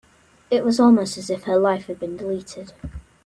It was almost as if her life had been deleted.